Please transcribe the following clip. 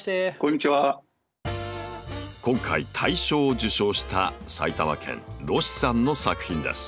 今回大賞を受賞した埼玉県ｒｏｓｈｉさんの作品です。